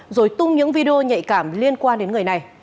rồi tung những video nhạy cảm liên quan đến người này